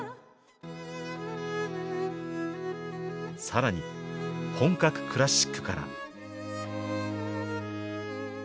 更に本格クラシックから。